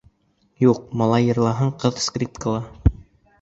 Юҡ, малай йырлаһын, ҡыҙ скрипкала.